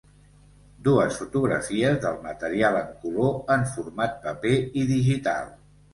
Dues fotografies del material en color, en format paper i digital.